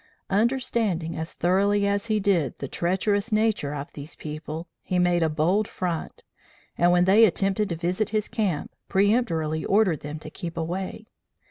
Understanding as thoroughly as he did the treacherous nature of these people, he made a bold front, and, when they attempted to visit his camp, peremptorily ordered them to keep away.